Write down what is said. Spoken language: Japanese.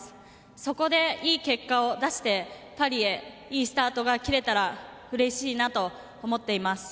そこで良い結果を出してパリへいいスタートが切れたらうれしいなと思っています。